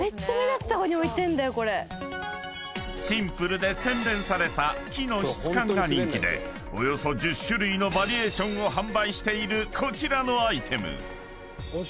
［シンプルで洗練された木の質感が人気でおよそ１０種類のバリエーションを販売しているこちらのアイテム］